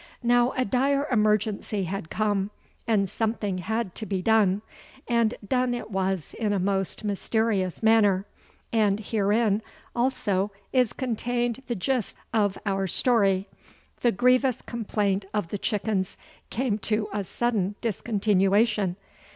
Now a dire emergency had come and something had to be done, and done it was in a most mysterious manner; and herein, also, is contained the gist of our story. The grievous complaint of the chickens came to a sudden discontinuation.